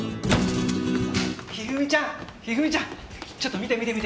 一二三ちゃん一二三ちゃん！ちょっと見て見て見て。